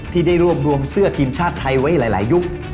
ที่ได้รวบรวมเสื้อทีมชาติไทยไว้หลายยุค